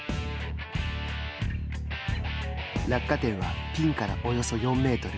落下点はピンからおよそ４メートル。